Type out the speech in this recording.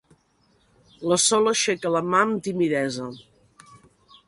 La Sol aixeca la mà amb timidesa.